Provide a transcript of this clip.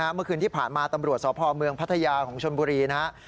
เมื่อคืนที่ผ่านมาตำรวจสพเมืองพัทยาของชนบุรีนะครับ